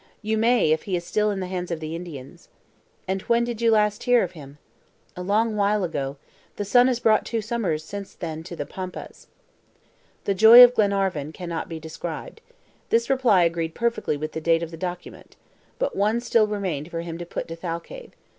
"You may if he is still in the hands of the Indians." "And when did you last hear of him?" "A long while ago; the sun has brought two summers since then to the Pampas." The joy of Glenarvan can not be described. This reply agreed perfectly with the date of the document. But one question still remained for him to put to Thalcave.